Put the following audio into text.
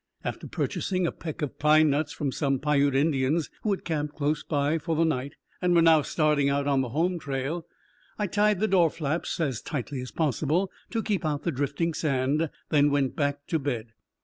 After purchasing a peck of pine nuts from some Piute Indians who had camped close by for the night, and were now starting out on the home trail, I tied the door flaps as tightly as possible to keep out the drifting sand, then went back to bed.